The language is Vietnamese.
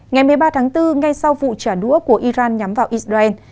ngày một mươi ba tháng bốn ngay sau vụ trả đũa của iran nhắm vào israel